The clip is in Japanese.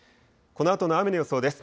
このあとの雨の予想です。